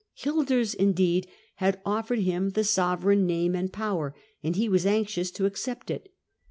Guelders indeed had offered him the sovereign name and power, and he was anxious to accept it.